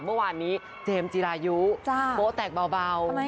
เมื่อวานนี้เจมส์จิรายุโป๊แตกเบา